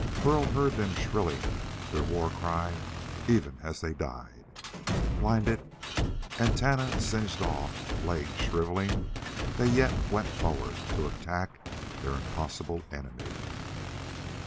Burl heard them shrilling their war cry even as they died. Blinded, antennae singed off, legs shriveling, they yet went forward to attack their impossible enemy.